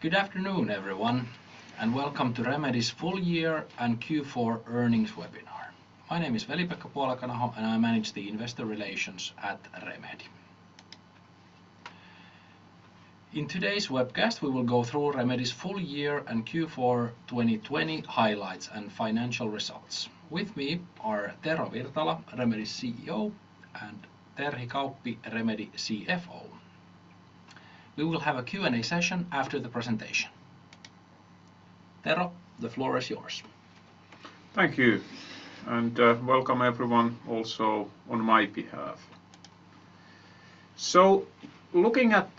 Good afternoon, everyone, and welcome to Remedy's full year and Q4 earnings webinar. My name is Veli-Pekka Puolakanaho, and I manage the investor relations at Remedy. In today's webcast, we will go through Remedy's full year and Q4 2020 highlights and financial results. With me are Tero Virtala, Remedy's CEO, and Terhi Kauppi, Remedy CFO. We will have a Q&A session after the presentation. Tero, the floor is yours. Thank you. Welcome everyone also on my behalf. Looking at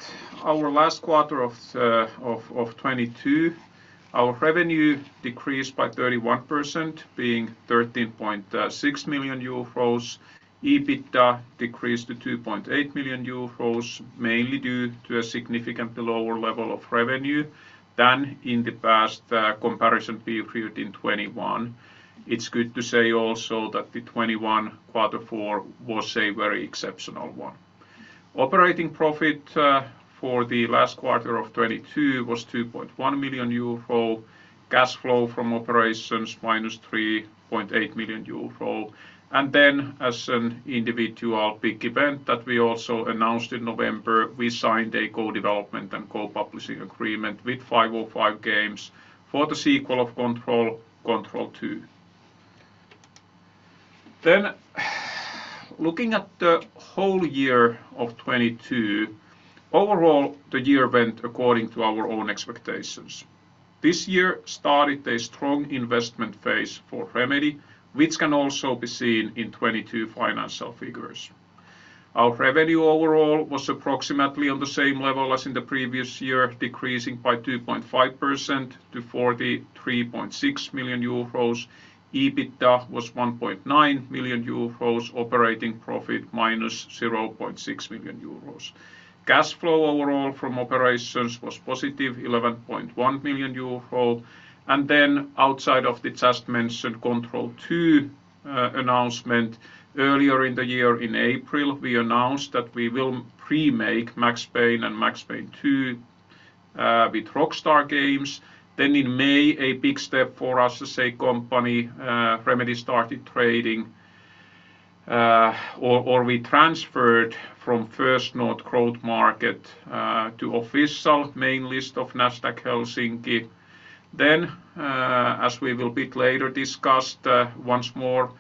our last quarter of 2022, our revenue decreased by 31%, being 13.6 million euros. EBITDA decreased to 2.8 million euros, mainly due to a significantly lower level of revenue than in the past comparison period in 2021. It's good to say also that the 2021 quarter four was a very exceptional one. Operating profit for the last quarter of 2022 was 2.1 million euro. Cash flow from operations -3.8 million euro. As an individual big event that we also announced in November, we signed a co-development and co-publishing agreement with 505 games for the sequel of Control 2. Looking at the whole year of 2022, overall, the year went according to our own expectations. This year started a strong investment phase for Remedy, which can also be seen in 2022 financial figures. Our revenue overall was approximately on the same level as in the previous year, decreasing by 2.5% to 43.6 million euros. EBITDA was 1.9 million euros. Operating profit -0.6 million euros. Cash flow overall from operations was +11.1 million euros. Outside of the just-mentioned Control 2 announcement, earlier in the year in April, we announced that we will remake Max Payne and Max Payne 2 with Rockstar Games. In May, a big step for us as a company, Remedy started trading, or we transferred from First North Growth Market to official main list of Nasdaq Helsinki. As we will bit later discuss, once more,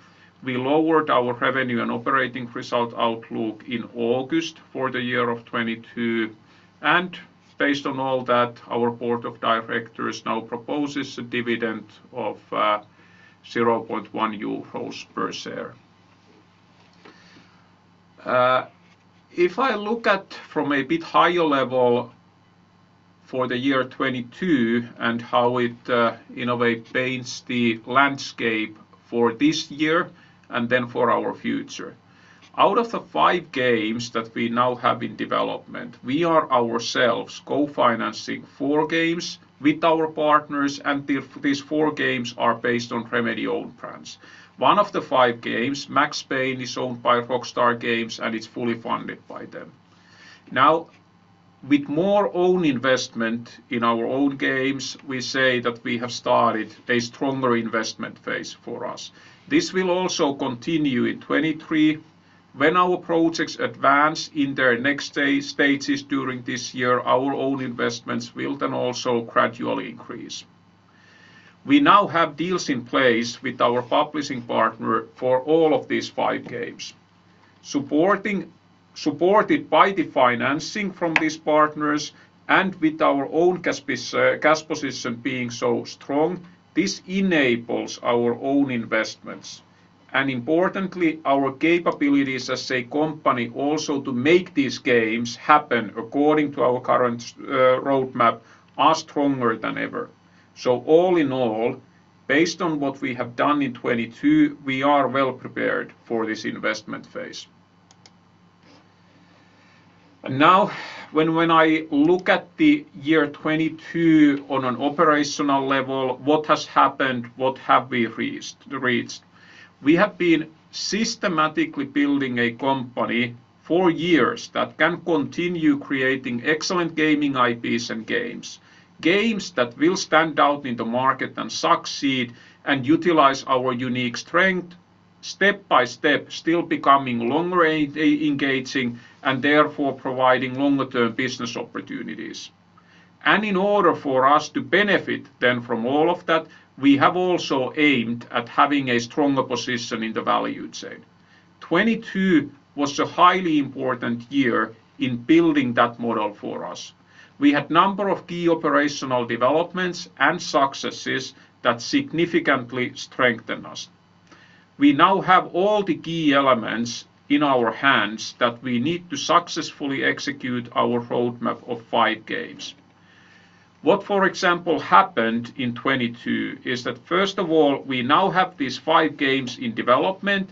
we lowered our revenue and operating result outlook in August for the year of 2022. Based on all that, our board of directors now proposes a dividend of 0.1 euros per share. If I look at from a bit higher level for the year 2022 and how it, in a way paints the landscape for this year and then for our future, out of the five games that we now have in development, we are ourselves co-financing four games with our partners, and these four games are based on Remedy-owned brands. One of the five games, Max Payne, is owned by Rockstar Games, and it's fully funded by them. Now, with more own investment in our own games, we say that we have started a stronger investment phase for us. This will also continue in 2023. When our projects advance in their next stages during this year, our own investments will then also gradually increase. We now have deals in place with our publishing partner for all of these five games. Supported by the financing from these partners and with our own cash position being so strong, this enables our own investments. Importantly, our capabilities as a company also to make these games happen according to our current roadmap are stronger than ever. All in all, based on what we have done in 2022, we are well prepared for this investment phase. Now when I look at the year 2022 on an operational level, what has happened? What have we reached? We have been systematically building a company for years that can continue creating excellent gaming IPs and games that will stand out in the market and succeed and utilize our unique strength step by step, still becoming longer engaging and therefore providing longer-term business opportunities. In order for us to benefit then from all of that, we have also aimed at having a stronger position in the value chain. 2022 was a highly important year in building that model for us. We had number of key operational developments and successes that significantly strengthen us. We now have all the key elements in our hands that we need to successfully execute our roadmap of five games. What, for example, happened in 2022 is that, first of all, we now have these five games in development,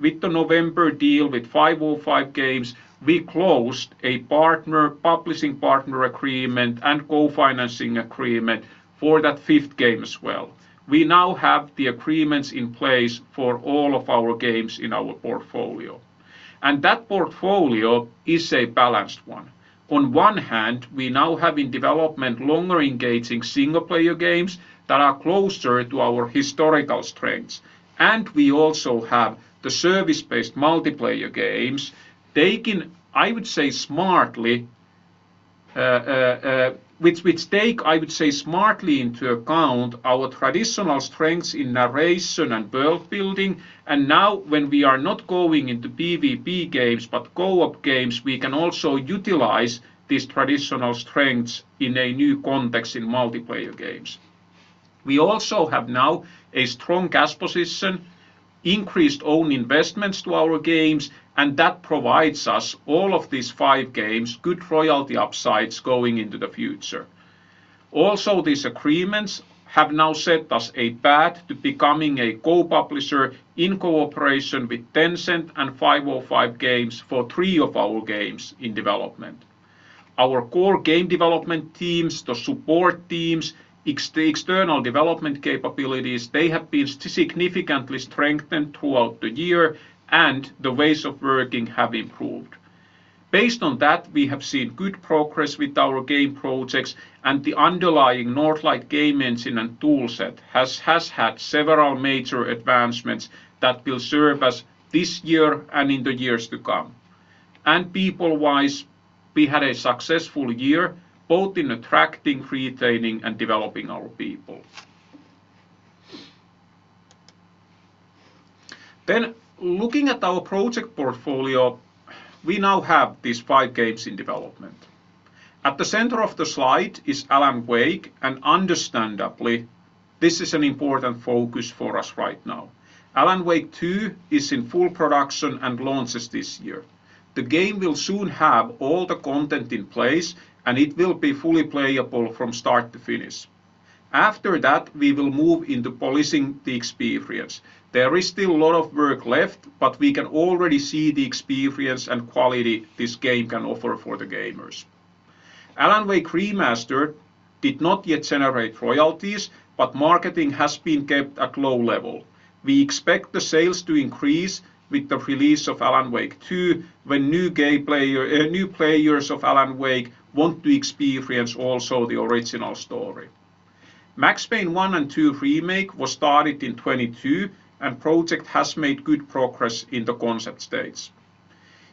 with the November deal with 505 games, we closed a publishing partner agreement and co-financing agreement for that fifth game as well. We now have the agreements in place for all of our games in our portfolio. That portfolio is a balanced one. On one hand, we now have in development longer engaging single-player games that are closer to our historical strengths. We also have the service-based multiplayer games taking, I would say, smartly, which take, I would say smartly into account our traditional strengths in narration and world-building. Now when we are not going into PVP games, but co-op games, we can also utilize these traditional strengths in a new context in multiplayer games. We also have now a strong cash position, increased own investments to our games, and that provides us all of these five games good royalty upsides going into the future. These agreements have now set us a path to becoming a co-publisher in cooperation with Tencent and 505 games for three of our games in development. Our core game development teams, the support teams, the external development capabilities, they have been significantly strengthened throughout the year and the ways of working have improved. Based on that, we have seen good progress with our game projects and the underlying Northlight Game Engine and tool set has had several major advancements that will serve us this year and in the years to come. People-wise, we had a successful year both in attracting, retaining, and developing our people. Looking at our project portfolio, we now have these five games in development. At the center of the slide is Alan Wake. Understandably, this is an important focus for us right now. Alan Wake 2 is in full production and launches this year. The game will soon have all the content in place. It will be fully playable from start to finish. After that, we will move into polishing the experience. There is still a lot of work left. We can already see the experience and quality this game can offer for the gamers. Alan Wake Remastered did not yet generate royalties. Marketing has been kept at low level. We expect the sales to increase with the release of Alan Wake 2, when new players of Alan Wake want to experience also the original story. Max Payne 1 & 2 Remake was started in 2022. Project has made good progress in the concept stage.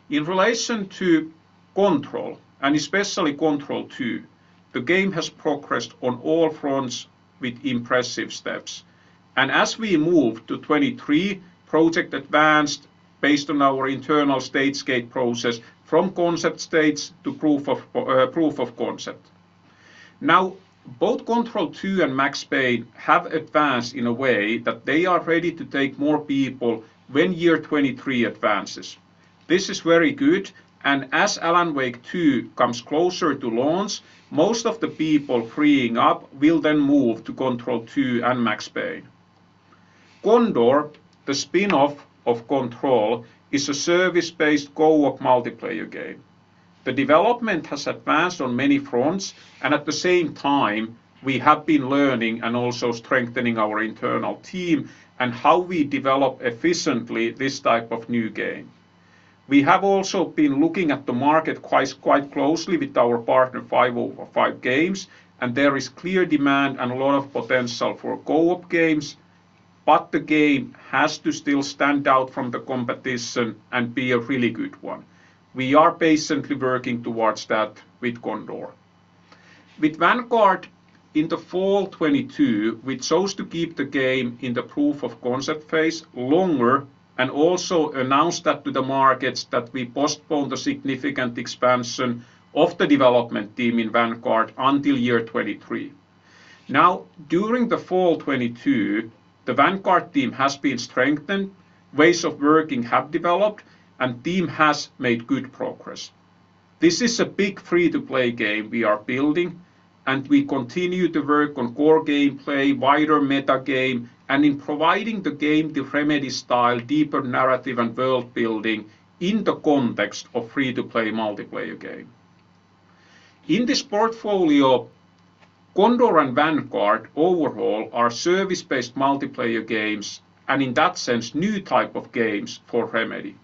In relation to Control and especially Control 2, the game has progressed on all fronts with impressive steps. As we move to 2023, project advanced based on our internal Stage-Gate process from concept stage to proof of concept. Both Control 2 and Max Payne have advanced in a way that they are ready to take more people when year 2023 advances. This is very good. As Alan Wake 2 comes closer to launch, most of the people freeing up will then move to Control 2 and Max Payne. Condor, the spin-off of Control, is a service-based co-op multiplayer game. The development has advanced on many fronts, and at the same time, we have been learning and also strengthening our internal team and how we develop efficiently this type of new game. We have also been looking at the market quite closely with our partner 505 games, and there is clear demand and a lot of potential for co-op games, but the game has to still stand out from the competition and be a really good one. We are patiently working towards that with Condor. With Vanguard, in the fall 2022, we chose to keep the game in the proof of concept phase longer and also announced that to the markets that we postpone the significant expansion of the development team in Vanguard until year 2023. Now, during the fall 2022, the Vanguard team has been strengthened, ways of working have developed, and team has made good progress. This is a big free-to-play game we are building. We continue to work on core gameplay, wider meta game, and in providing the game the Remedy style, deeper narrative and world-building in the context of free-to-play multiplayer game. In this portfolio, Condor and Vanguard overall are service-based multiplayer games. In that sense, new type of games for Remedy.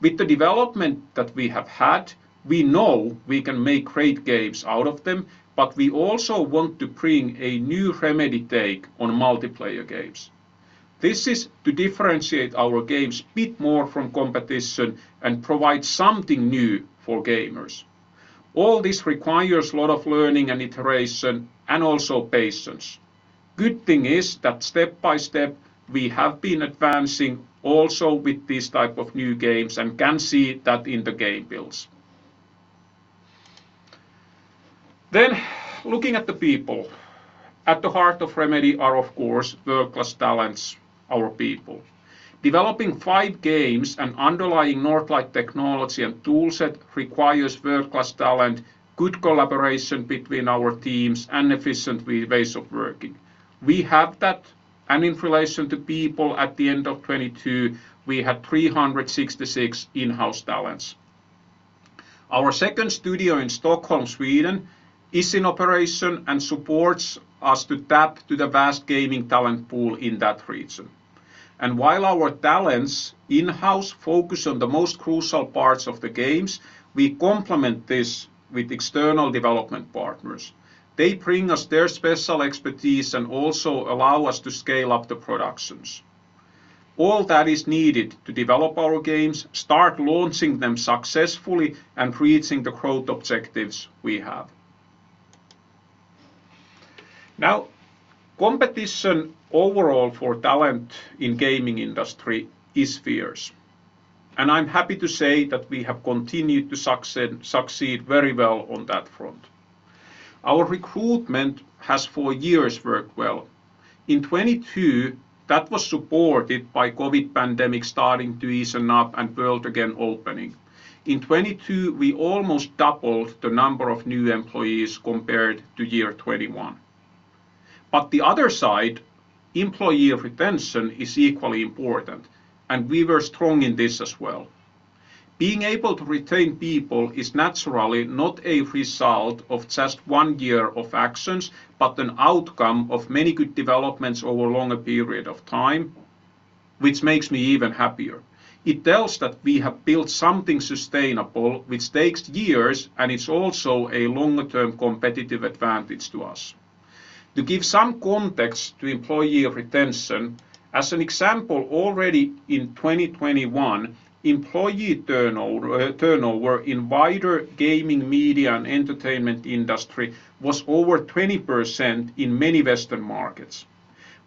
With the development that we have had, we know we can make great games out of them, but we also want to bring a new Remedy take on multiplayer games. This is to differentiate our games bit more from competition and provide something new for gamers. All this requires a lot of learning and iteration and also patience. Good thing is that step by step, we have been advancing also with these type of new games and can see that in the game builds. Looking at the people. At the heart of Remedy are, of course, world-class talents, our people. Developing five games and underlying Northlight technology and toolset requires world-class talent, good collaboration between our teams, and efficient ways of working. We have that. In relation to people at the end of 2022, we had 366 in-house talents. Our second studio in Stockholm, Sweden is in operation and supports us to tap to the vast gaming talent pool in that region. While our talents in-house focus on the most crucial parts of the games, we complement this with external development partners. They bring us their special expertise and also allow us to scale up the productions. All that is needed to develop our games, start launching them successfully and reaching the growth objectives we have. Competition overall for talent in gaming industry is fierce, and I'm happy to say that we have continued to succeed very well on that front. Our recruitment has for years worked well. In 2022, that was supported by COVID pandemic starting to ease up and world again opening. In 2022, we almost doubled the number of new employees compared to year 2021. The other side, employee retention, is equally important, and we were strong in this as well. Being able to retain people is naturally not a result of just one year of actions, but an outcome of many good developments over a longer period of time, which makes me even happier. It tells that we have built something sustainable which takes years, and it's also a longer term competitive advantage to us. To give some context to employee retention, as an example, already in 2021, employee turnover in wider gaming, media and entertainment industry was over 20% in many Western markets.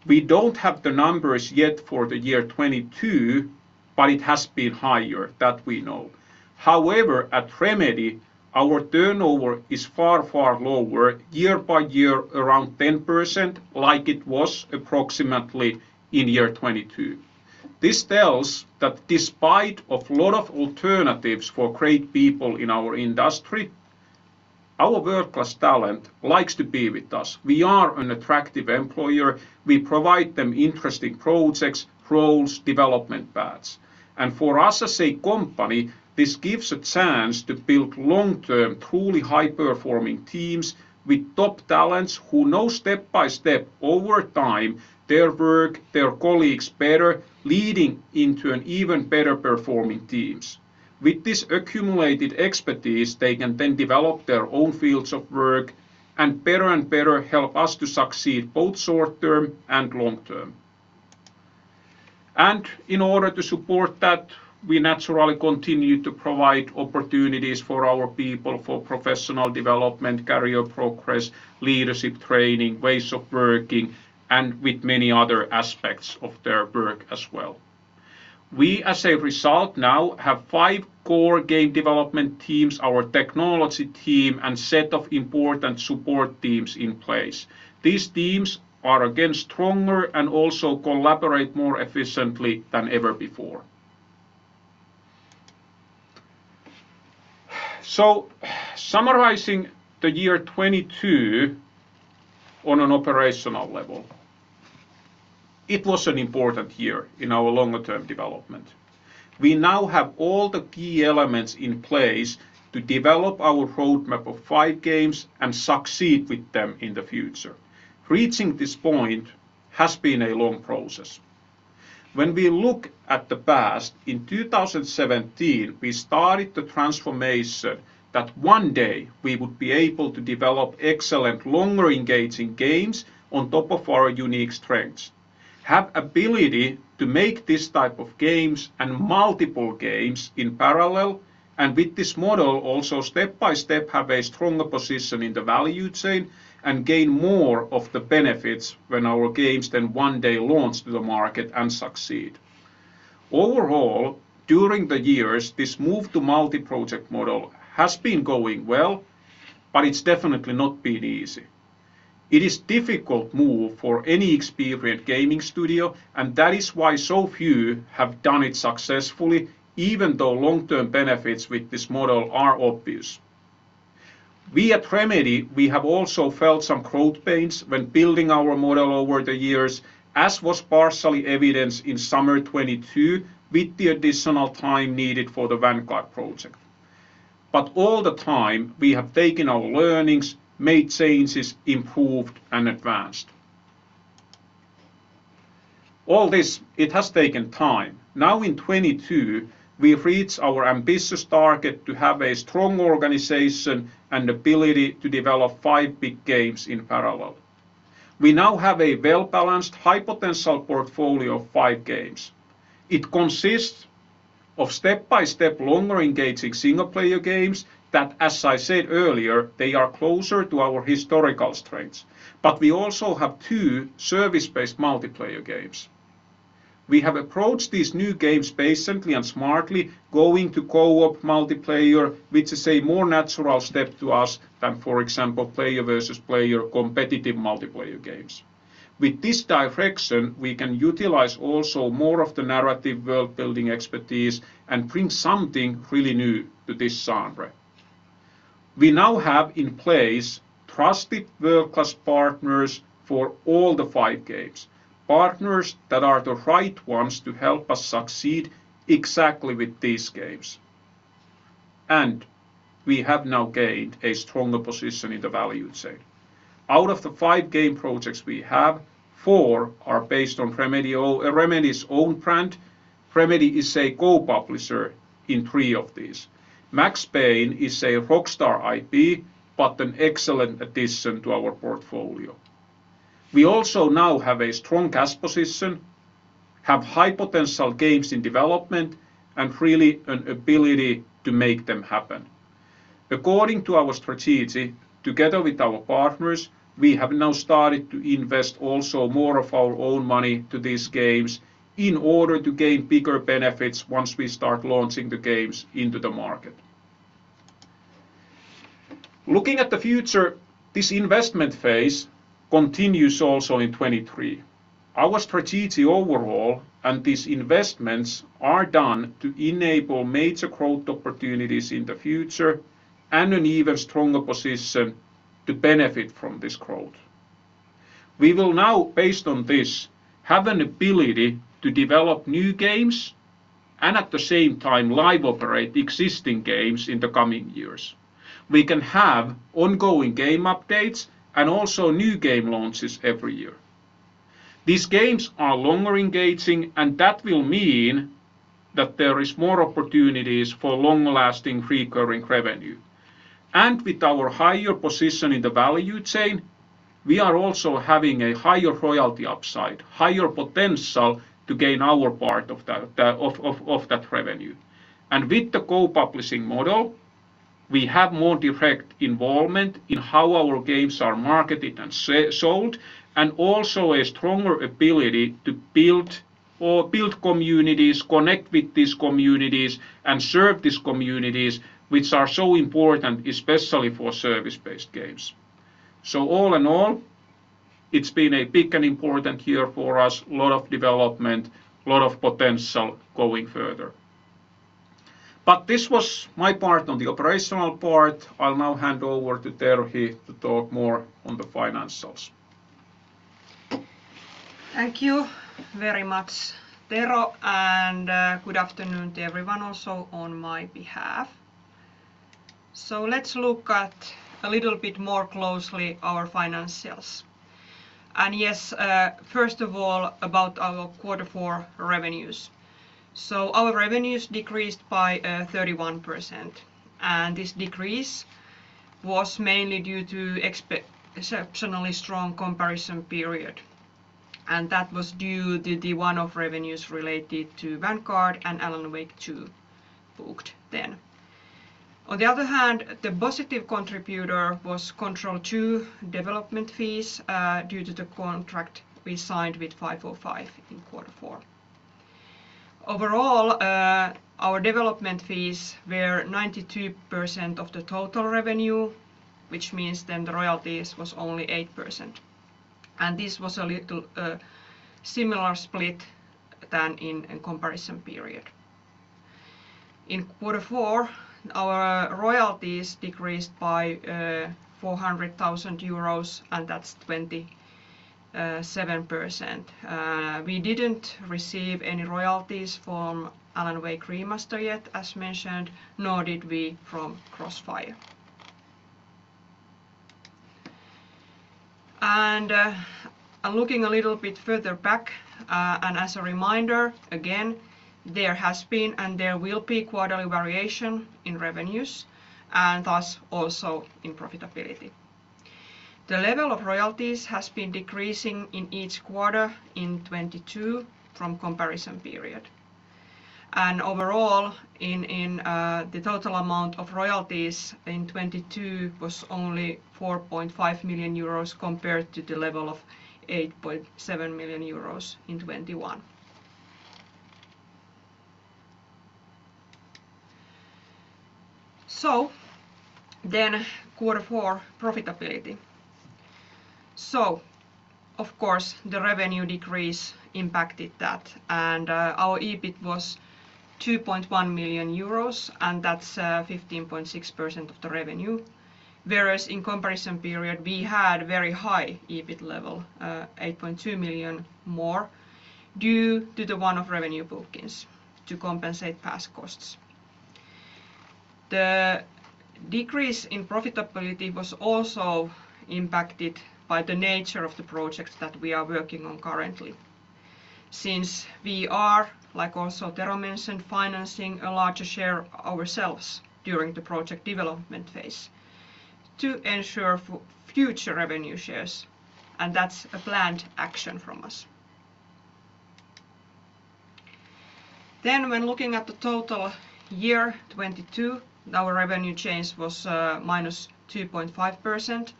We don't have the numbers yet for the year 2022, but it has been higher, that we know. However, at Remedy, our turnover is far, far lower year by year, around 10% like it was approximately in year 2022. This tells that despite of lot of alternatives for great people in our industry, our world-class talent likes to be with us. We are an attractive employer. We provide them interesting projects, roles, development paths. For us as a company, this gives a chance to build long-term, truly high-performing teams with top talents who know step by step over time, their work, their colleagues better, leading into an even better performing teams. With this accumulated expertise, they can then develop their own fields of work and better and better help us to succeed both short-term and long-term. In order to support that, we naturally continue to provide opportunities for our people for professional development, career progress, leadership training, ways of working, and with many other aspects of their work as well. We, as a result now have five core game development teams, our technology team and set of important support teams in place. These teams are again stronger and also collaborate more efficiently than ever before. Summarizing the year 2022 on an operational level, it was an important year in our longer term development. We now have all the key elements in place to develop our roadmap of five games and succeed with them in the future. Reaching this point has been a long process. When we look at the past, in 2017, we started the transformation that one day we would be able to develop excellent, longer engaging games on top of our unique strengths, have ability to make this type of games and multiple games in parallel, and with this model also step by step, have a stronger position in the value chain and gain more of the benefits when our games then one day launch to the market and succeed. Overall, during the years, this move to multi-project model has been going well, but it's definitely not been easy. It is difficult move for any experienced gaming studio and that is why so few have done it successfully even though long-term benefits with this model are obvious. We at Remedy have also felt some growth pains when building our model over the years, as was partially evidenced in summer 2022, with the additional time needed for the Vanguard project. All the time we have taken our learnings, made changes, improved and advanced. All this, it has taken time. Now in 2022, we reached our ambitious target to have a strong organization and ability to develop five big games in parallel. We now have a well-balanced, high potential portfolio of five games. It consists of step by step longer engaging single player games that, as I said earlier, they are closer to our historical strengths. We also have two service-based multiplayer games. We have approached these new games patiently and smartly going to co-op multiplayer, which is a more natural step to us than, for example, player versus player competitive multiplayer games. With this direction, we can utilize also more of the narrative world building expertise and bring something really new to this genre. We now have in place trusted world-class partners for all the five games, partners that are the right ones to help us succeed exactly with these games. We have now gained a stronger position in the value chain. Out of the five game projects we have, four are based on Remedy's own brand. Remedy is a co-publisher in three of these. Max Payne is a Rockstar IP, but an excellent addition to our portfolio. We also now have a strong cash position, have high potential games in development, and really an ability to make them happen. According to our strategy, together with our partners, we have now started to invest also more of our own money to these games in order to gain bigger benefits once we start launching the games into the market. Looking at the future, this investment phase continues also in 2023. Our strategy overall and these investments are done to enable major growth opportunities in the future and an even stronger position to benefit from this growth. We will now, based on this, have an ability to develop new games and at the same time live operate existing games in the coming years. We can have ongoing game updates and also new game launches every year. These games are longer engaging, and that will mean that there is more opportunities for long-lasting recurring revenue. With our higher position in the value chain, we are also having a higher royalty upside, higher potential to gain our part of that revenue. With the co-publishing model, we have more direct involvement in how our games are marketed and sold, and also a stronger ability to build communities, connect with these communities, and serve these communities, which are so important, especially for service-based games. All in all, it's been a big and important year for us. A lot of development, a lot of potential going further. This was my part on the operational part. I'll now hand over to Terhi to talk more on the financials. Thank you very much, Tero. Good afternoon to everyone also on my behalf. Let's look at a little bit more closely our financials. Yes, first of all, about our quarter four revenues. Our revenues decreased by 31%. This decrease was mainly due to exceptionally strong comparison period. That was due to the one-off revenues related to Vanguard and Alan Wake 2 booked then. On the other hand, the positive contributor was Control 2 development fees due to the contract we signed with 505 in quarter four. Overall, our development fees were at 92% of the total revenue, which means then the royalties was only 8%. This was a little similar split than in comparison period. In quarter four, our royalties decreased by 400,000 euros, and that's 27%. We didn't receive any royalties from Alan Wake Remastered yet, as mentioned, nor did we from Crossfire. Looking a little bit further back, as a reminder, again, there has been and there will be quarterly variation in revenues and thus also in profitability. The level of royalties has been decreasing in each quarter in 2022 from comparison period. Overall, in the total amount of royalties in 2022 was only 4.5 million euros compared to the level of 8.7 million euros in 2021. Quarter four profitability. Of course, the revenue decrease impacted that. Our EBIT was 2.1 million euros, and that's 15.6% of the revenue. Whereas in comparison period, we had very high EBIT level, 8.2 million more due to the one-off revenue bookings to compensate past costs. The decrease in profitability was also impacted by the nature of the projects that we are working on currently. Since we are, like also Tero mentioned, financing a larger share ourselves during the project development phase to ensure future revenue shares, that's a planned action from us. When looking at the total year 2022, our revenue change was -2.5%.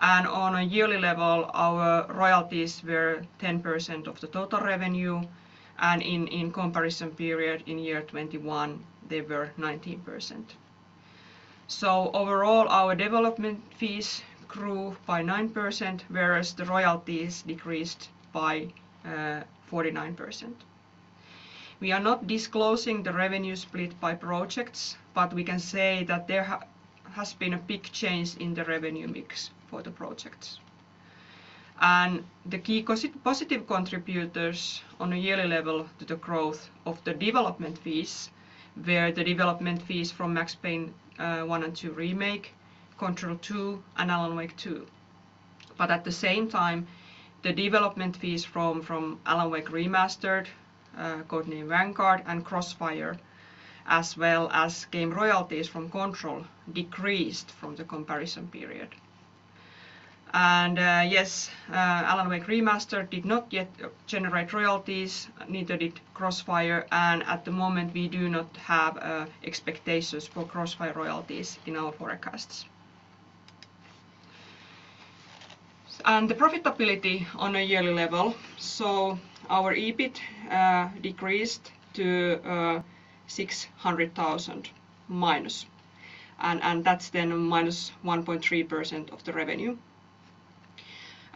On a yearly level, our royalties were 10% of the total revenue. In comparison period in year 2021, they were 19%. Overall, our development fees grew by 9%, whereas the royalties decreased by 49%. We are not disclosing the revenue split by projects, but we can say that there has been a big change in the revenue mix for the projects. The key positive contributors on a yearly level to the growth of the development fees were the development fees from Max Payne One and Two Remake, Control 2, and Alan Wake 2. At the same time, the development fees from Alan Wake Remastered, Codename Vanguard, and CrossFire, as well as game royalties from Control, decreased from the comparison period. Yes, Alan Wake Remastered did not yet generate royalties, neither did CrossFire, and at the moment, we do not have expectations for CrossFire royalties in our forecasts. The profitability on a yearly level. Our EBIT decreased to 600,000 minus. That's then -1.3% of the revenue.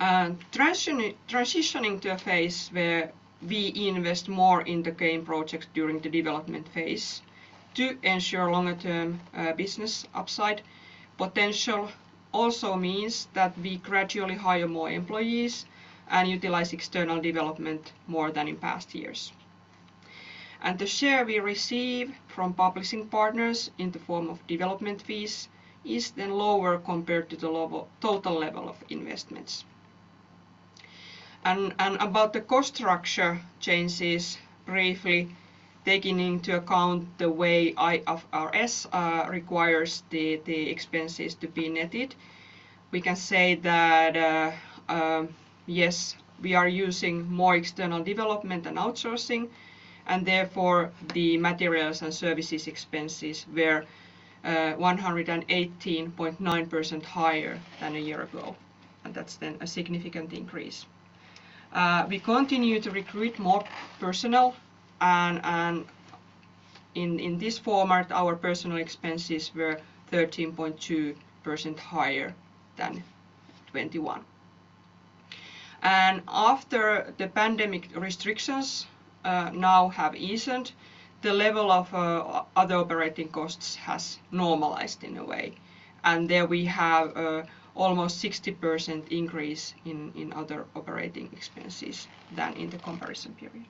Transitioning to a phase where we invest more in the game projects during the development phase to ensure longer-term business upside potential also means that we gradually hire more employees and utilize external development more than in past years. The share we receive from publishing partners in the form of development fees is then lower compared to the total level of investments. About the cost structure changes briefly, taking into account the way IFRS requires the expenses to be netted, we can say that yes, we are using more external development than outsourcing, and therefore, the materials and services expenses were 118.9% higher than a year ago, that's then a significant increase. We continue to recruit more personnel and, in this format, our personnel expenses were 13.2% higher than 2021. After the pandemic restrictions now have eased, the level of other operating costs has normalized in a way. There we have almost 60% increase in other operating expenses than in the comparison period.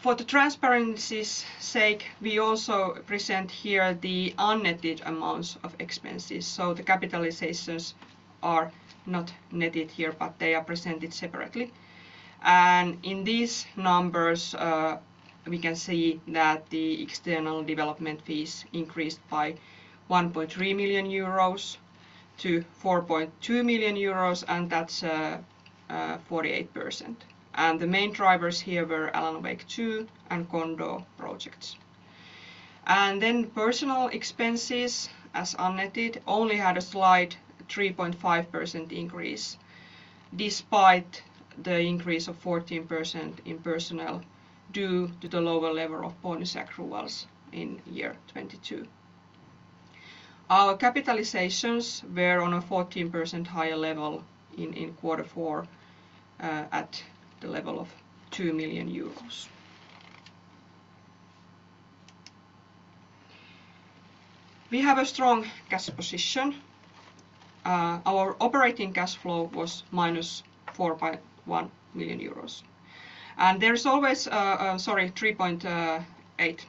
For the transparency's sake, we also present here the unnetted amounts of expenses. The capitalizations are not netted here, but they are presented separately. In these numbers, we can see that the external development fees increased by 1.3 million euros to 4.2 million euros, and that's 48%. The main drivers here were Alan Wake 2 and Condor projects. Personnel expenses, as unnetted, only had a slight 3.5% increase, despite the increase of 14% in personnel due to the lower level of bonus accruals in 2022. Our capitalizations were on a 14% higher level in quarter four, at the level of 2 million euros. We have a strong cash position. Our operating cash flow was -4.1 million euros. Sorry, 3.8.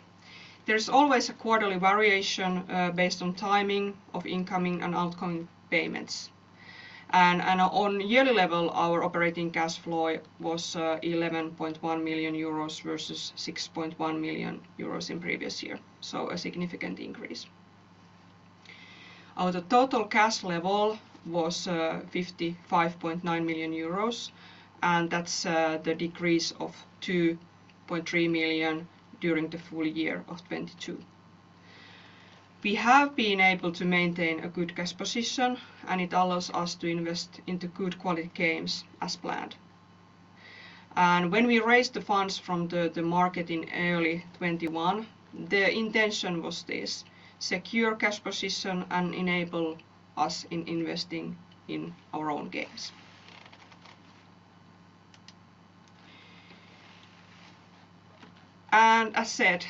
There's always a quarterly variation based on timing of incoming and outgoing payments. On yearly level, our operating cash flow was 11.1 million euros versus 6.1 million euros in previous year, so a significant increase. Our total cash level was 55.9 million euros, and that's the decrease of 2.3 million during the full year of 2022. We have been able to maintain a good cash position, and it allows us to invest into good quality games as planned. When we raised the funds from the market in early 2021, the intention was this, secure cash position and enable us in investing in our own games. As said,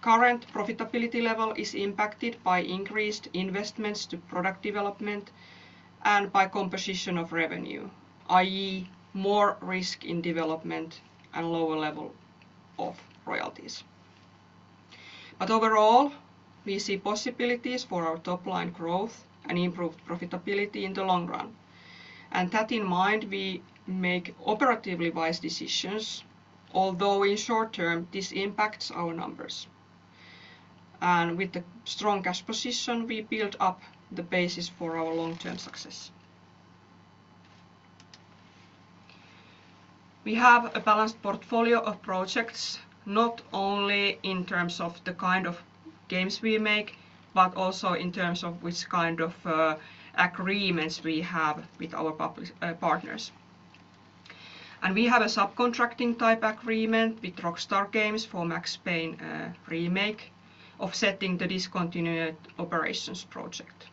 current profitability level is impacted by increased investments to product development and by composition of revenue, i.e. more risk in development and lower level of royalties. Overall, we see possibilities for our top-line growth and improved profitability in the long run. That in mind, we make operatively wise decisions, although in short term, this impacts our numbers. With the strong cash position, we build up the basis for our long-term success. We have a balanced portfolio of projects, not only in terms of the kind of games we make, but also in terms of which kind of agreements we have with our publish partners. We have a subcontracting type agreement with Rockstar Games for Max Payne Remake, offsetting the discontinued operations project.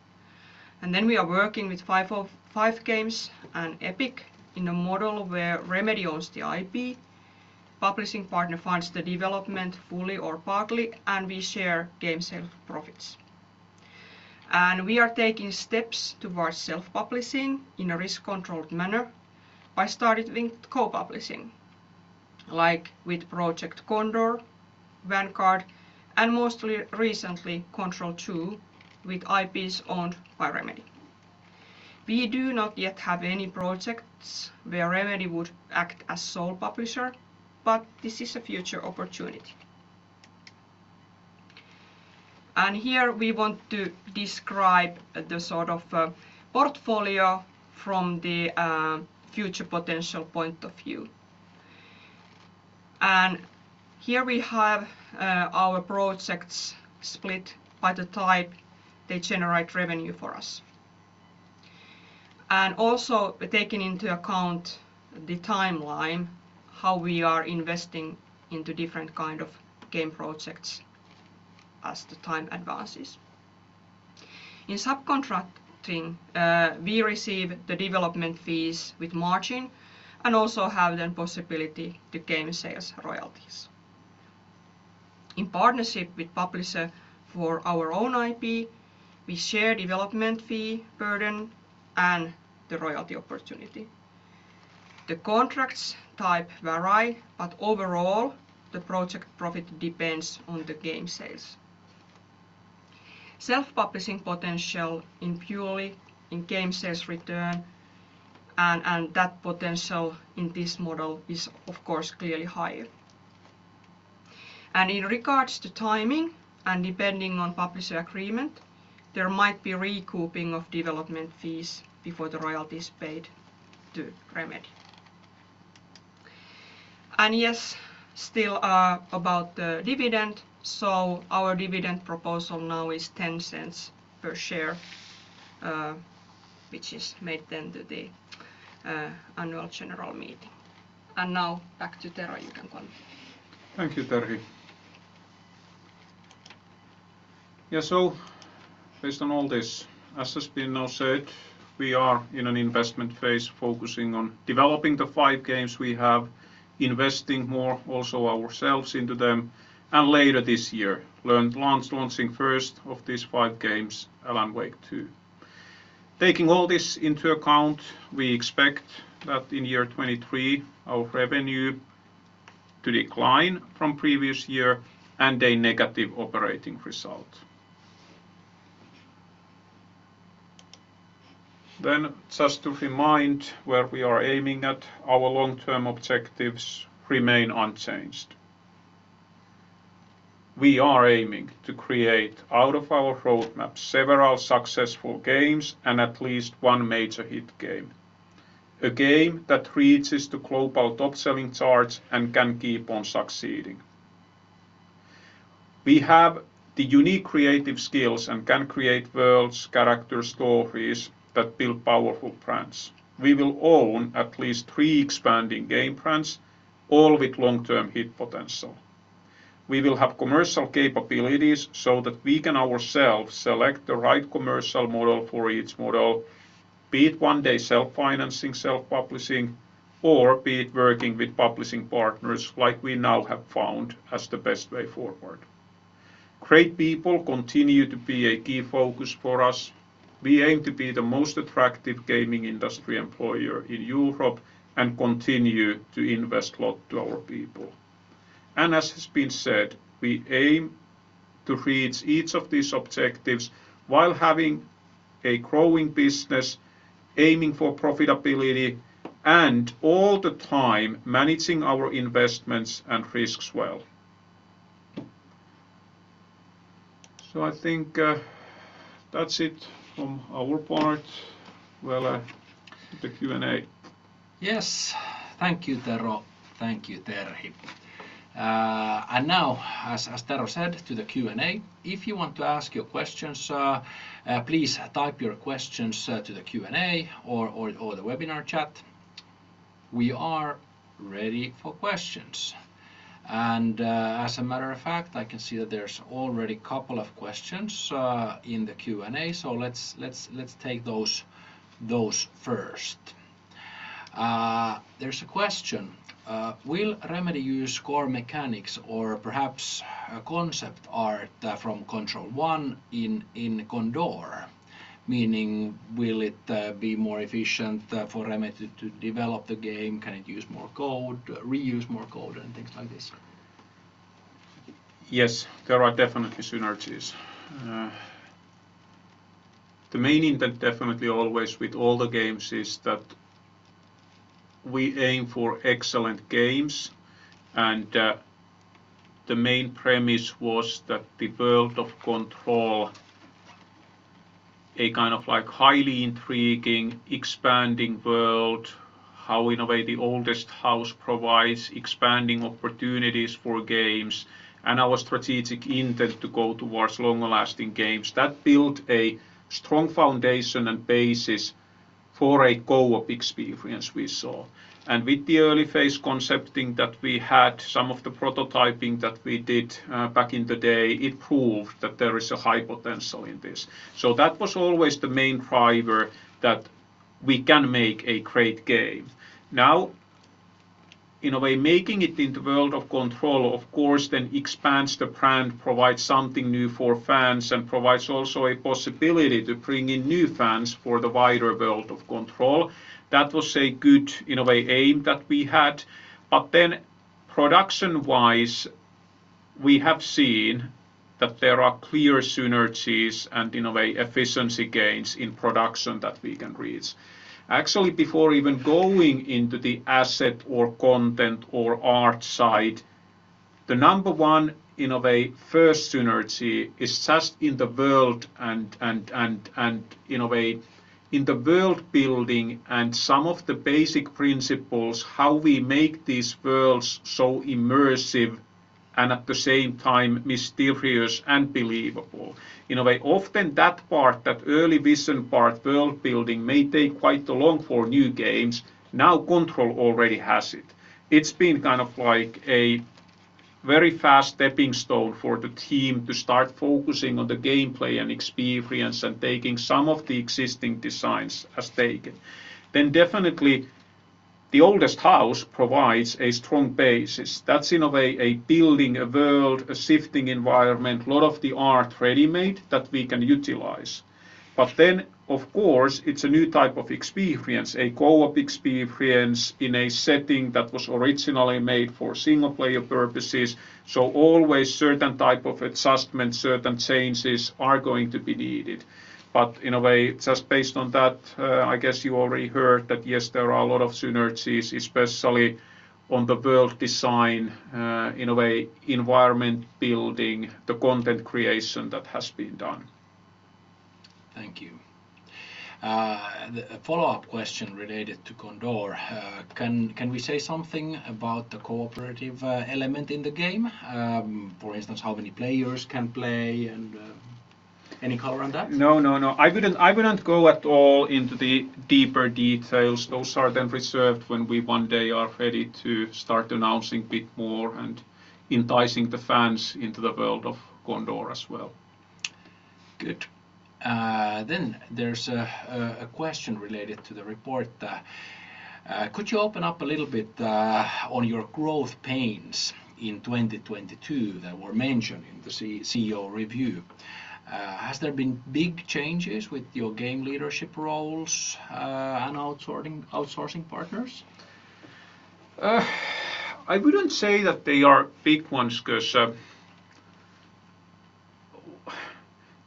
Then we are working with 505 games and Epic in a model where Remedy owns the IP, publishing partner funds the development fully or partly, and we share game sales profits. We are taking steps towards self-publishing in a risk-controlled manner by starting with co-publishing, like with Project Condor, Vanguard, and mostly recently, Control 2 with IPs owned by Remedy. We do not yet have any projects where Remedy would act as sole publisher, but this is a future opportunity. Here we want to describe the sort of portfolio from the future potential point of view. Here we have our projects split by the type they generate revenue for us. Also taking into account the timeline, how we are investing into different kind of game projects as the time advances. In subcontracting, we receive the development fees with margin and also have the possibility to gain sales royalties. In partnership with publisher for our own IP, we share development fee burden and the royalty opportunity. The contracts type vary, but overall, the project profit depends on the game sales. Self-publishing potential in purely in game sales return and that potential in this model is of course clearly higher. In regards to timing and depending on publisher agreement, there might be recouping of development fees before the royalties paid to Remedy. Yes, still, about the dividend. Our dividend proposal now is 0.10 per share, which is made to the annual general meeting. Now back to Tero, you can continue. Thank you, Terhi. Yeah, based on all this, as has been now said, we are in an investment phase focusing on developing the five games we have, investing more also ourselves into them, and later this year, launching first of these five games, Alan Wake 2. Taking all this into account, we expect that in year 2023, our revenue to decline from previous year and a negative operating result. Just to remind where we are aiming at, our long-term objectives remain unchanged. We are aiming to create out of our roadmap several successful games and at least one major hit game, a game that reaches the global top-selling charts and can keep on succeeding. We have the unique creative skills and can create worlds, characters, stories that build powerful brands. We will own at least three expanding game brands, all with long-term hit potential. We will have commercial capabilities so that we can ourselves select the right commercial model for each model, be it one-day self-financing, self-publishing, or be it working with publishing partners like we now have found as the best way forward. Great people continue to be a key focus for us. We aim to be the most attractive gaming industry employer in Europe and continue to invest a lot to our people. As has been said, we aim to reach each of these objectives while having a growing business, aiming for profitability, and all the time managing our investments and risks well. I think that's it from our part. Veli, the Q&A. Yes. Thank you, Tero. Thank you, Terhi. Now as Tero said, to the Q&A. If you want to ask your questions, please type your questions to the Q&A or the webinar chat. We are ready for questions. As a matter of fact, I can see that there's already a couple of questions in the Q&A. Let's take those first. There's a question, will Remedy use core mechanics or perhaps concept art from Control 1 in Condor? Meaning will it be more efficient for Remedy to develop the game? Can it use more code, reuse more code, and things like this? Yes, there are definitely synergies. The main intent definitely always with all the games is that we aim for excellent games. The main premise was that the world of Control, a kind of like highly intriguing, expanding world, how in a way the Oldest House provides expanding opportunities for games, and our strategic intent to go towards longer-lasting games, that built a strong foundation and basis for a co-op experience we saw and with the early phase concepting that we had, some of the prototyping that we did back in the day, it proved that there is a high potential in this. That was always the main driver that we can make a great game. Now in a way, making it in the world of Control, of course, then expands the brand, provides something new for fans, and provides also a possibility to bring in new fans for the wider world of Control. That was a good, in a way, aim that we had. Productionwise, we have seen that there are clear synergies and in a way efficiency gains in production that we can reach actually before even going into the asset or content or art side. The number 1 in a way, first synergy is just in the world and in a way in the world building and some of the basic principles, how we make these worlds so immersive and at the same time mysterious and believable in a way. Often that part, that early vision part world building may take quite long for new games. Now Control already has it. It's been kind of like a very fast stepping stone for the team to start focusing on the gameplay and experience and taking some of the existing designs as taken. Definitely the Oldest House provides a strong basis that's in a way a building, a world, a shifting environment. A lot of the art ready made that we can utilize. But then, of course, it's a new type of experience, a co-op experience in a setting that was originally made for single player purposes. Always certain type of adjustment, certain changes are going to be needed. In a way, just based on that, I guess you already heard that yes, there are a lot of synergies, especially on the world design in a way, environment building the content creation that has been done. Thank you. The follow-up question related to Condor. Can we say something about the cooperative element in the game? For instance, how many players can play and any color on that? No, no, I wouldn't go at all into the deeper details. Those are reserved when we one day are ready to start announcing a bit more and enticing the fans into the world of Condor as well. Good. There's a question related to the report. Could you open up a little bit on your growth pains in 2022 that were mentioned in the CEO review? Has there been big changes with your game leadership roles and outsourcing partners? I wouldn't say that they are big ones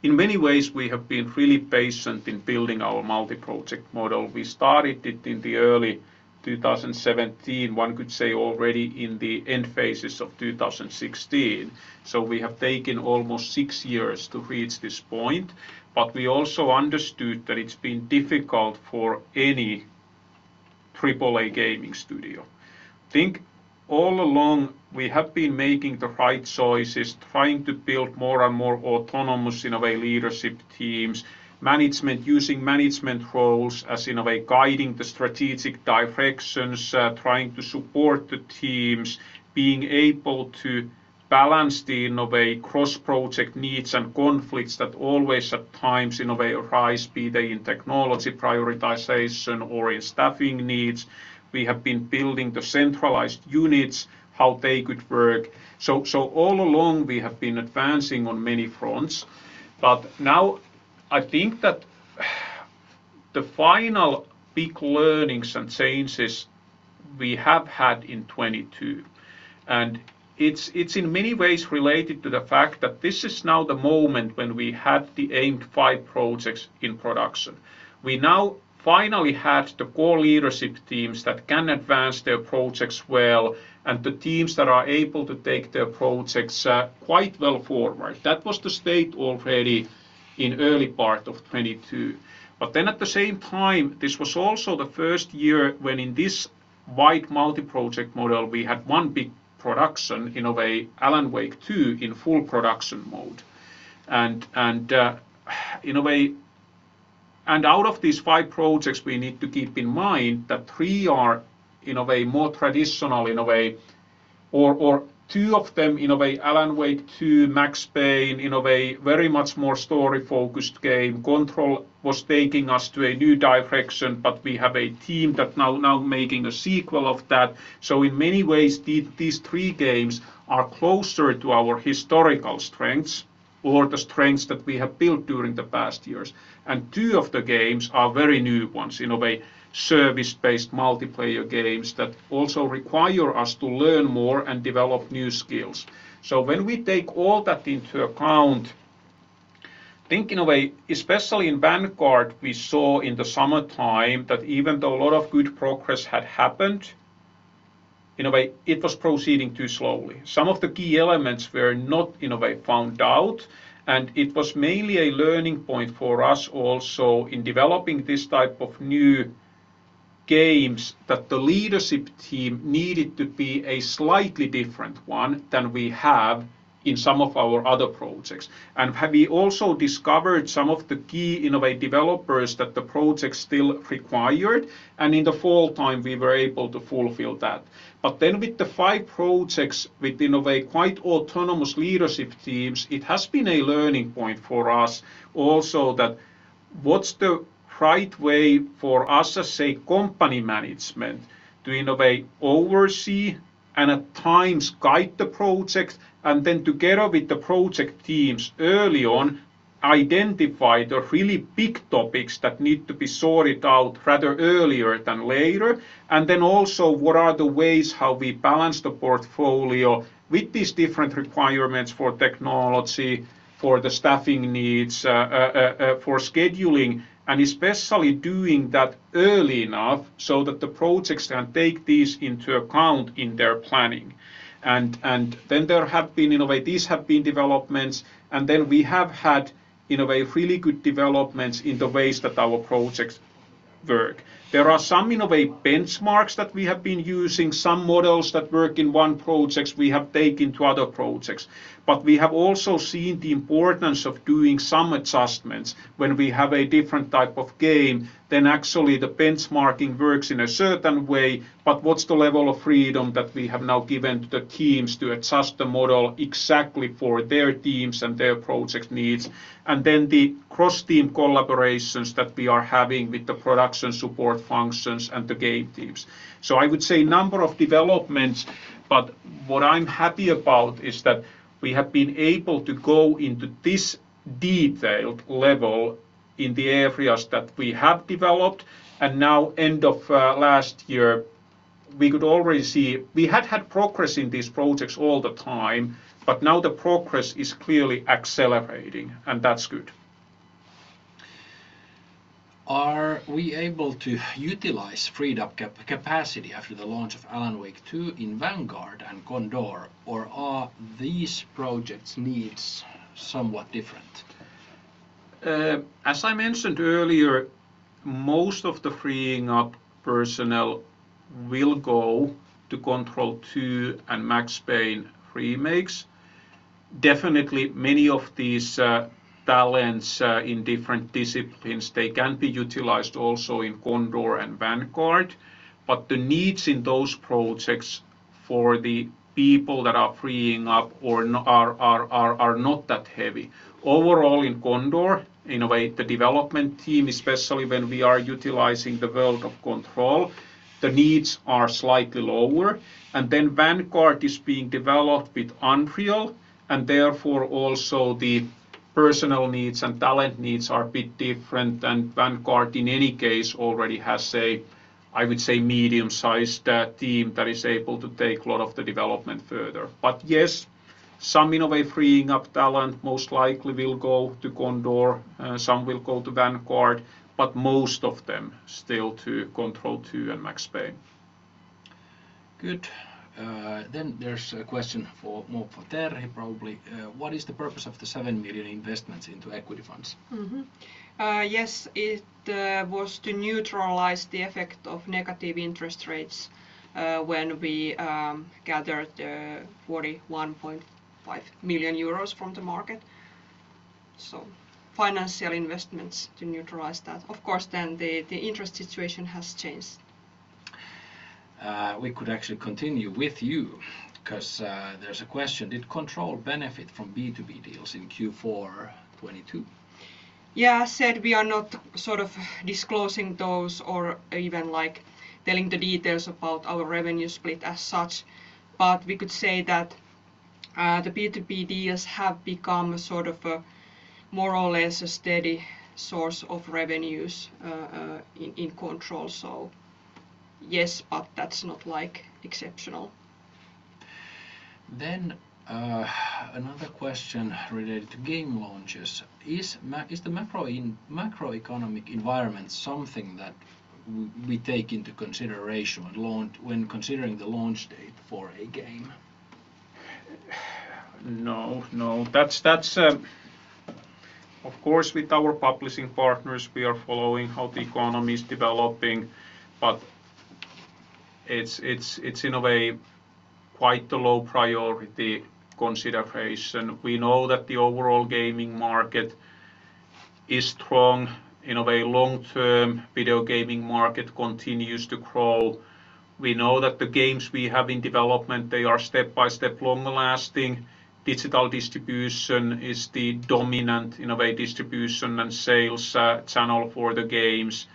because, in many ways, we have been really patient in building our multi-project model. We started it in the early 2017, one could say already in the end phases of 2016. We have taken almost six years to reach this point. We also understood that it's been difficult for any Triple-A gaming studio. I think all along we have been making the right choices, trying to build more and more autonomous in a way, leadership teams, management using management roles as in a way guiding the strategic directions, trying to support the teams, being able to balance the in a way cross-project needs and conflicts that always at times in a way arise, be they in technology prioritization or in staffing needs. We have been building the centralized units, how they could work. All along we have been advancing on many fronts. Now, I think that the final big learnings and changes we have had in 2022 and it's in many ways related to the fact that this is now the moment when we had the aimed five projects in production. We now finally have the core leadership teams that can advance their projects well, and the teams that are able to take their projects quite well forward. That was the state already in early part of 2022. At the same time, this was also the first year when in this wide multi-project model, we had one big production in a way, Alan Wake 2, in full production mode and out of these five projects, we need to keep in mind that three are in a way more traditional or two of them, Alan Wake 2, Max Payne, in a way very much more story-focused game. Control was taking us to a new direction, but we have a team that now making a sequel of that. In many ways, these three games are closer to our historical strengths or the strengths that we have built during the past years. Two of the games are very new ones in a way, service-based multiplayer games that also require us to learn more and develop new skills. When we take all that into account, I think in a way, especially in Vanguard, we saw in the summer time that even though a lot of good progress had happened in a way, it was proceeding too slowly. Some of the key elements were not in a way found out, and it was mainly a learning point for us, in developing this type of new games that the leadership team needed to be a slightly different one than we have in some of our other projects, and have we also discovered some of the key innovate developers that the project still required? In the fall time, we were able to fulfill that. With the five projects with innovate quite autonomous leadership teams, it has been a learning point for us also that what's the right way for us as a company management to innovate, oversee, and at times guide the projects, and then together with the project teams early on identify the really big topics that need to be sorted out rather earlier than later. Also, what are the ways how we balance the portfolio with these different requirements for technology, for the staffing needs for scheduling, and especially doing that early enough so that the projects can take these into account in their planning. These have been developments, we have had innovate really good developments in the ways that our projects work. There are some innovative benchmarks that we have been using, some models that work in one projects we have taken to other projects. We have also seen the importance of doing some adjustments when we have a different type of game than actually the benchmarking works in a certain way. What's the level of freedom that we have now given the teams to adjust the model exactly for their teams and their project needs, and then the cross-team collaborations that we are having with the production support functions and the game teams? I would say number of developments. What I'm happy about is that we have been able to go into this detailed level in the areas that we have developed, and now end of last year we could already see. We had had progress in these projects all the time, but now the progress is clearly accelerating, and that's good. Are we able to utilize freed up cap-capacity after the launch of Alan Wake 2 in Vanguard and Condor, or are these projects needs somewhat different? As I mentioned earlier, most of the freeing up personnel will go to Control 2 and Max Payne remakes. Definitely many of these talents in different disciplines, they can be utilized also in Condor and Vanguard, but the needs in those projects for the people that are freeing up are not that heavy. Overall in Condor, in a way, the development team, especially when we are utilizing the world of Control, the needs are slightly lower. Vanguard is being developed with Unreal, therefore also the personal needs and talent needs are a bit different. Vanguard, in any case, already has a, I would say, medium-sized team that is able to take a lot of the development further. Yes, some innovate freeing up talent most likely will go to Condor, some will go to Vanguard, but most of them still to Control 2 and Max Payne. Good. There's a question for more for Terhi probably. What is the purpose of the 7 million investments into equity funds? Yes, it was to neutralize the effect of negative interest rates, when we gathered 41.5 million euros from the market, so financial investments to neutralize that. Of course, the interest situation has changed. We could actually continue with you 'cause, there's a question. Did Control benefit from B2B deals in Q4 2022? Yeah. Said we are not sort of disclosing those or even, like, telling the details about our revenue split as such, but we could say that the B2B deals have become a sort of a more or less a steady source of revenues in Control. Yes, but that's not, like, exceptional. Another question related to game launches. Is the macro in macroeconomic environment something that we take into consideration when considering the launch date for a game? No, no. That's, that's. Of course, with our publishing partners, we are following how the economy is developing, but it's in a way quite a low priority consideration. We know that the overall gaming market is strong in a way long-term video gaming market continues to grow. We know that the games we have in development, they are step-by-step long-lasting. Digital distribution is the dominant innovate distribution and sales channel for the games.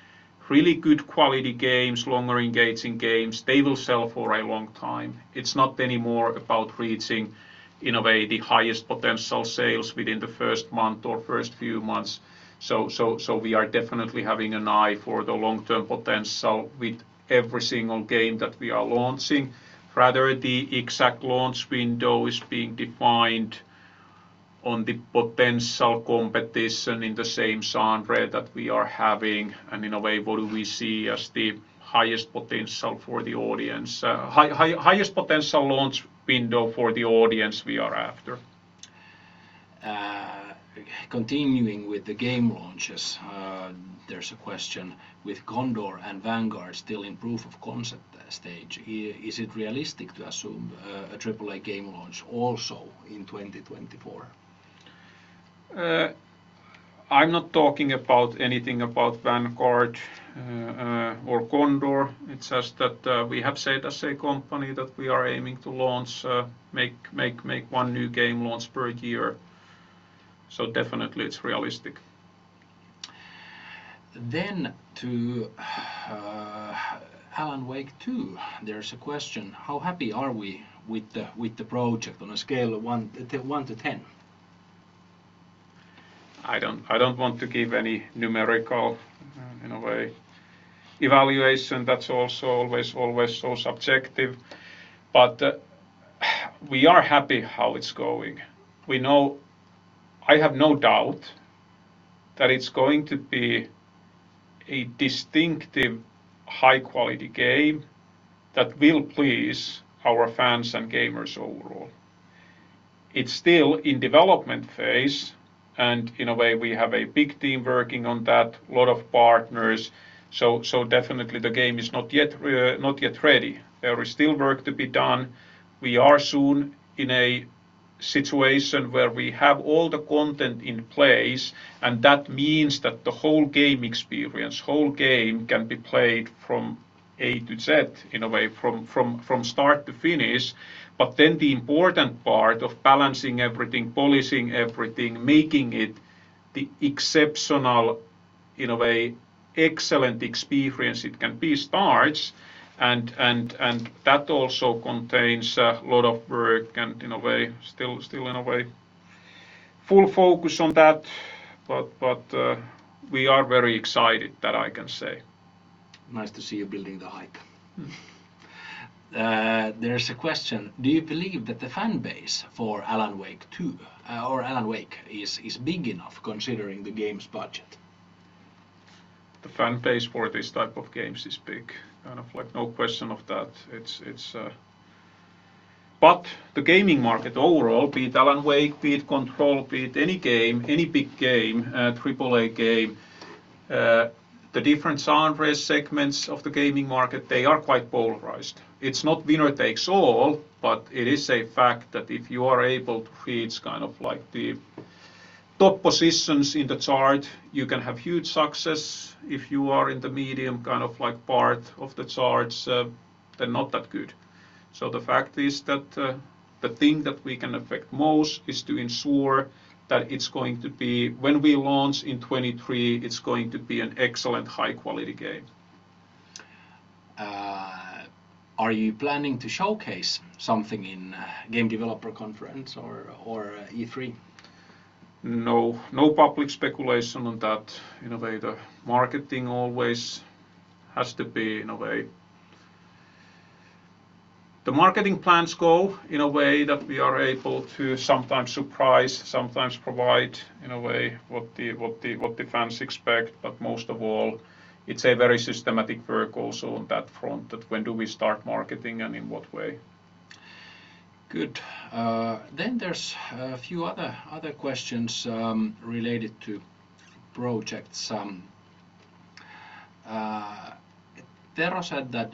Really good quality games, longer engaging games, they will sell for a long time. It's not anymore about reaching, in a way, the highest potential sales within the first month or first few months, so we are definitely having an eye for the long-term potential with every single game that we are launching. The exact launch window is being defined on the potential competition in the same genre that we are having, and in a way, what do we see as the highest potential for the audience? Highest potential launch window for the audience we are after. Continuing with the game launches, there's a question, with Condor and Vanguard still in proof of concept stage, is it realistic to assume a Triple-A game launch also in 2024? I'm not talking about anything about Vanguard, or Condor. It's just that, we have said as a company that we are aiming to launch, make one new game launch per year. Definitely it's realistic. To Alan Wake 2, there's a question, how happy are we with the project on a scale of one to 10? I don't want to give any numerical, in a way. Evaluation that's also always so subjective. We are happy how it's going. I have no doubt that it's going to be a distinctive high-quality game that will please our fans and gamers overall. It's still in development phase. In a way, we have a big team working on that, lot of partners. Definitely the game is not yet ready. There is still work to be done. We are soon in a situation where we have all the content in place, that means that the whole game experience, whole game can be played from A to Z, in a way, from start to finish. The important part of balancing everything, polishing everything, making it the exceptional, in a way, excellent experience it can be, starts, and that also contains a lot of work and in a way, still in a way, full focus on that, but we are very excited, that I can say. Nice to see you building the hype. There's a question, do you believe that the fan base for Alan Wake 2 or Alan Wake is big enough considering the game's budget? The fan base for these type of games is big, kind of like no question of that. It's. The gaming market overall, be it Alan Wake, be it Control, be it any game, any big game, Triple-A game, the different genres, segments of the gaming market, they are quite polarized. It's not winner takes all, but it is a fact that if you are able to create kind of like the top positions in the chart, you can have huge success. If you are in the medium, kind of like, part of the charts, they're not that good. The fact is that the thing that we can affect most is to ensure that when we launch in 2023, it's going to be an excellent high-quality game. Are you planning to showcase something in Game Developers Conference or E3? No. No public speculation on that. In a way, the marketing always has to be, in a way. The marketing plans go in a way that we are able to sometimes surprise, sometimes provide, in a way, what the fans expect. Most of all, it's a very systematic work also on that front, that when do we start marketing and in what way. Good. There's a few other questions related to projects. Tero said that,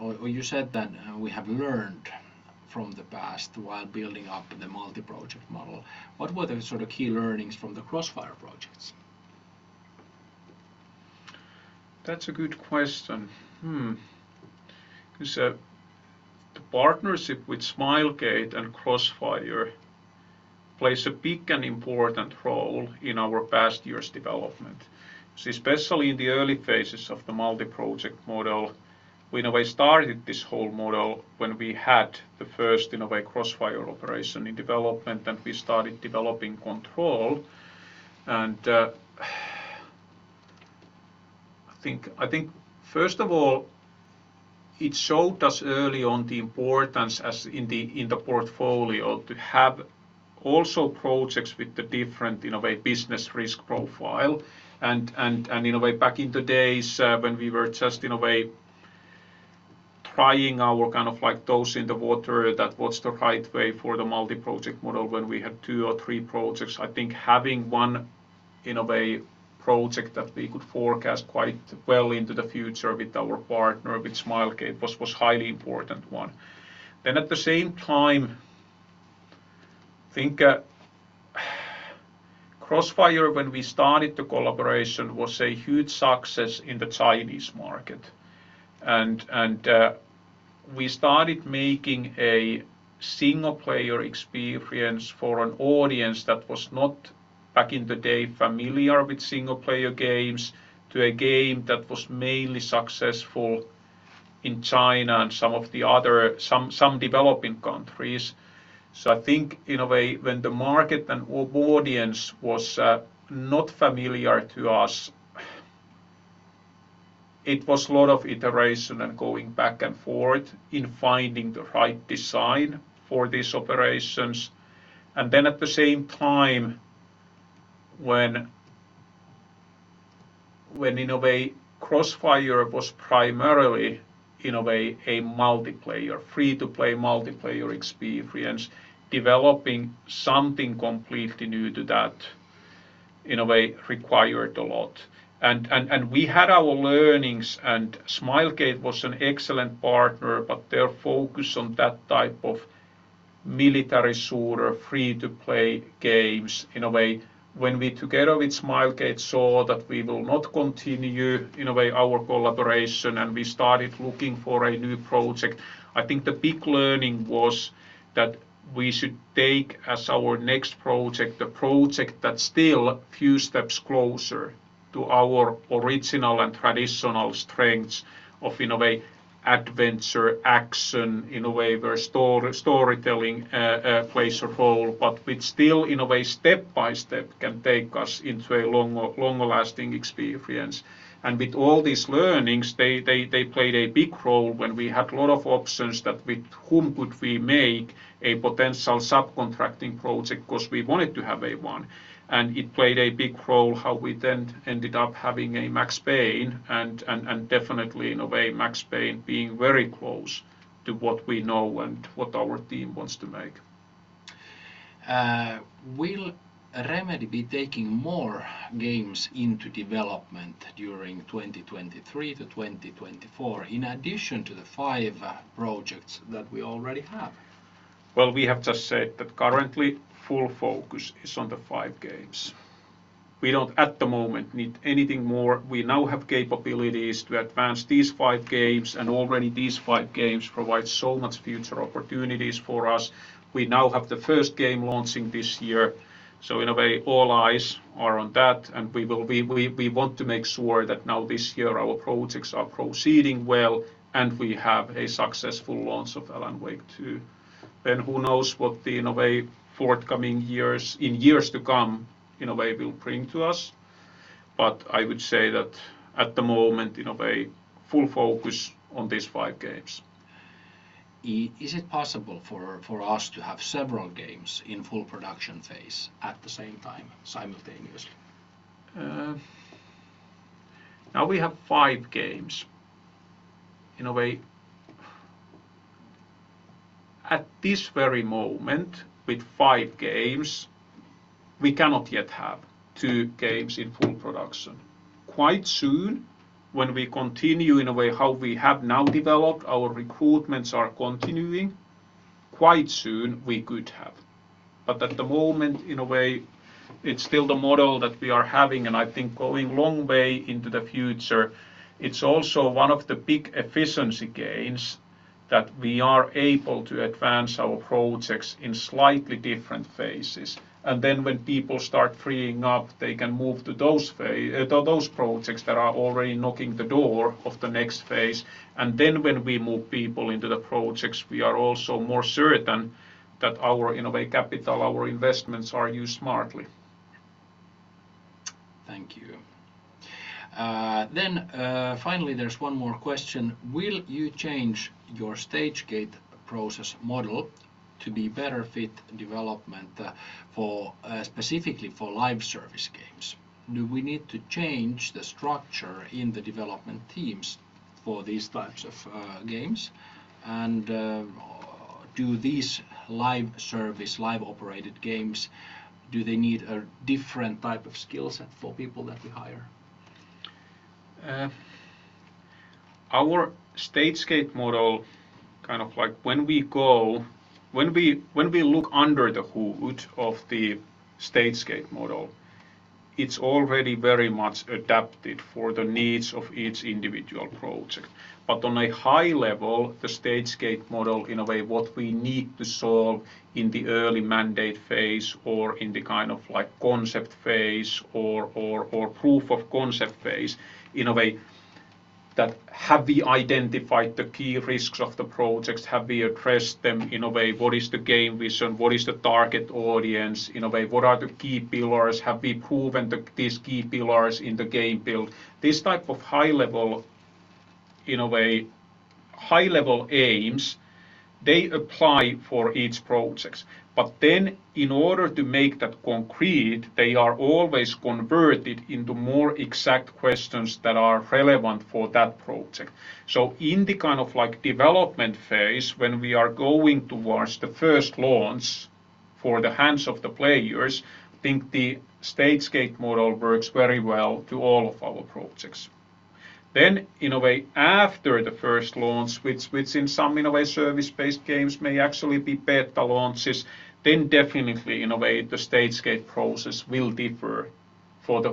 or you said that, we have learned from the past while building up the multi-project model. What were the sort of key learnings from the CrossfireX projects? That's a good question. Because the partnership with Smilegate and CrossfireX plays a big and important role in our past years' development, especially in the early phases of the multi-project model. We, in a way, started this whole model when we had the first, in a way, CrossfireX operation in development, and we started developing Control, and I think first of all, it showed us early on the importance as in the portfolio to have also projects with the different, in a way, business risk profile and in a way, back in the days, when we were just in a way, trying our kind of like toes in the water, that what's the right way for the multi-project model when we had two or three projects, I think having one, in a way, project that we could forecast quite well into the future with our partner, with Smilegate, was highly important one. At the same time, I think, CrossfireX, when we started the collaboration, was a huge success in the Chinese market, and we started making a single-player experience for an audience that was not, back in the day, familiar with single-player games, to a game that was mainly successful in China and some of the other developing countries. I think in a way, when the market and audience was not familiar to us, it was lot of iteration and going back and forth in finding the right design for these operations. At the same time, when in a way Crossfire was primarily in a way a multiplayer, free-to-play multiplayer experience, developing something completely new to that in a way required a lot. We had our learnings, and Smilegate was an excellent partner, but their focus on that type of military shooter free-to-play games in a way when we together with Smilegate saw that we will not continue in a way our collaboration, and we started looking for a new project, I think the big learning was that we should take as our next project, the project that's still few steps closer to our original and traditional strengths of, in a way, adventure, action, in a way where storytelling plays a role, but which still in a way step by step can take us into a long, long-lasting experience. With all these learnings, they played a big role when we had a lot of options that with whom could we make a potential subcontracting project 'cause we wanted to have a one. It played a big role how we then ended up having a Max Payne and definitely in a way, Max Payne being very close to what we know and what our team wants to make. Will Remedy be taking more games into development during 2023 to 2024 in addition to the five projects that we already have? Well, we have just said that currently full focus is on the five games. We don't at the moment need anything more. Already these five games provide so much future opportunities for us. We now have the first game launching this year. In a way, all eyes are on that. We want to make sure that now this year our projects are proceeding well, and we have a successful launch of Alan Wake 2. Who knows what the, in a way, forthcoming years, in years to come, in a way, will bring to us. I would say that at the moment, in a way, full focus on these five games. Is it possible for us to have several games in full production phase at the same time simultaneously? Now we have five games. In a way, at this very moment, with five games, we cannot yet have two games in full production. Quite soon, when we continue in a way how we have now developed, our recruitments are continuing, quite soon we could have. At the moment, in a way, it's still the model that we are having and I think going long way into the future, it's also one of the big efficiency gains that we are able to advance our projects in slightly different phases. Then when people start freeing up, they can move to those projects that are already knocking the door of the next phase. Then when we move people into the projects, we are also more certain that our, in a way, capital, our investments are used smartly. Thank you. Finally, there's one more question. Will you change your Stage-Gate process model to be better fit development, for, specifically for live service games? Do we need to change the structure in the development teams for these types of games? Do these live service, live-operated games, do they need a different type of skill set for people that we hire? Our Stage-Gate model, when we look under the hood of the Stage-Gate model, it's already very much adapted for the needs of each individual project. On a high level, the Stage-Gate model, what we need to solve in the early mandate phase or in the concept phase or proof of concept phase that have we identified the key risks of the projects? Have we addressed them? What is the game vision? What is the target audience? What are the key pillars? Have we proven these key pillars in the game build? These type of high level, high level aims, they apply for each projects. In order to make that concrete, they are always converted into more exact questions that are relevant for that project. In the kind of like development phase, when we are going towards the first launch for the hands of the players, I think the Stage-Gate model works very well to all of our projects. In a way, after the first launch, which in some in a way service-based games may actually be beta launches, then definitely in a way, the Stage-Gate process will differ for the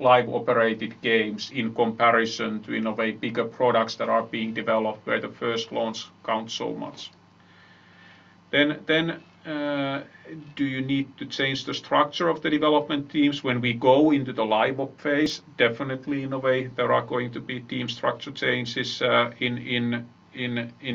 live-operated games in comparison to in a way bigger products that are being developed where the first launch counts so much. Do you need to change the structure of the development teams when we go into the live ops phase? Definitely in a way, there are going to be team structure changes in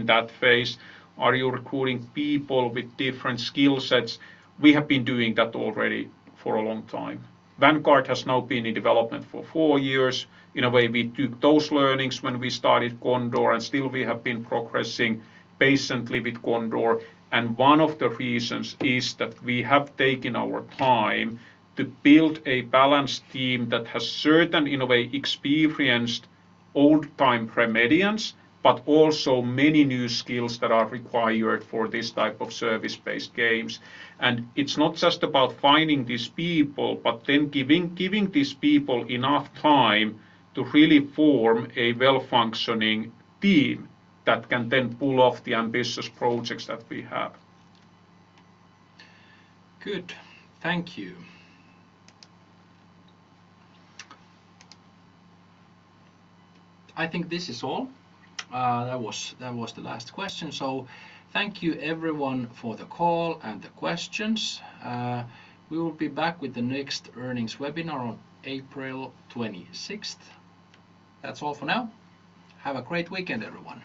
that phase. Are you recruiting people with different skill sets? We have been doing that already for a long time. Vanguard has now been in development for four years. In a way, we took those learnings when we started Condor. Still we have been progressing patiently with Condor. One of the reasons is that we have taken our time to build a balanced team that has certain in a way experienced old-time Remedians, but also many new skills that are required for this type of service-based games. It's not just about finding these people, but then giving these people enough time to really form a well-functioning team that can then pull off the ambitious projects that we have. Good. Thank you. I think this is all. That was the last question. Thank you everyone for the call and the questions. We will be back with the next earnings webinar on 26 April. That's all for now. Have a great weekend, everyone.